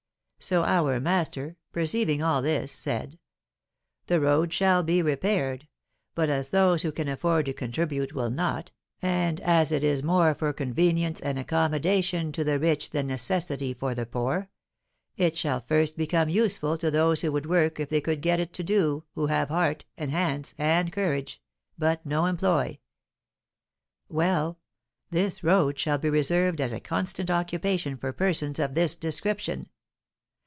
So our master, perceiving all this, said, 'The road shall be repaired; but as those who can afford to contribute will not, and as it is more for convenience and accommodation to the rich than necessity for the poor, it shall first become useful to those who would work if they could get it to do, who have heart, and hands, and courage, but no employ. Well, this road shall be reserved as a constant occupation for persons of this description.